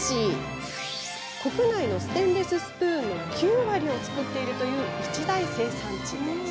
国内のステンレススプーンの９割を作る一大生産地です。